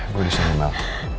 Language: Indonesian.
gua disini mel